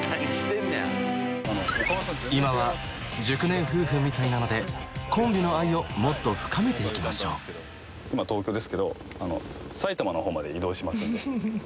今は熟年夫婦みたいなのでコンビの愛をもっと深めていきましょう今回こちらで。